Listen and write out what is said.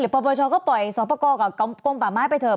หรือประประชอก็ปล่อยสอบประกอบกับกองปะไม้ไปเถอะ